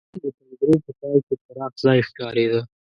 د پنجرو په پای کې پراخ ځای ښکارېده.